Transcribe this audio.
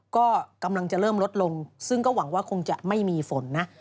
ก็กำลังจะเริ่มลดลงซึ่งก็หวังว่าคงจะไม่มีฝนนะ